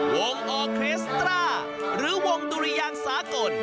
วงออเคสตราหรือวงดุริยางสากล